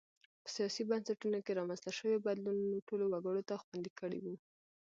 په سیاسي بنسټونو کې رامنځته شویو بدلونونو ټولو وګړو ته خوندي کړي وو.